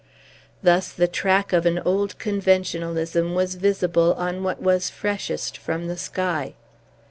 Thus the track of an old conventionalism was visible on what was freshest from the sky.